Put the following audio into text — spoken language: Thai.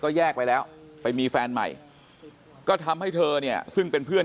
แยกไปแล้วไปมีแฟนใหม่ก็ทำให้เธอเนี่ยซึ่งเป็นเพื่อน